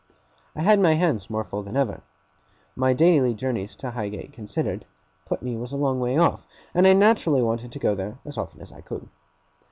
I had my hands more full than ever, now. My daily journeys to Highgate considered, Putney was a long way off; and I naturally wanted to go there as often as I could.